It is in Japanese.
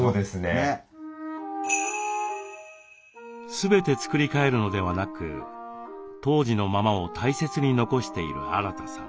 全て作り変えるのではなく当時のままを大切に残しているアラタさん。